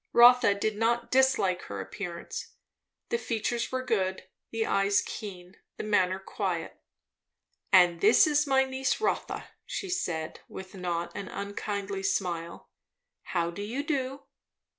Rotha did not dislike her appearance. The features were good, the eyes keen, the manner quiet "And this is my niece Rotha," she said with a not unkindly smile. "How do you do?"